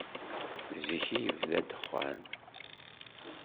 Zik i yebda ddexxan.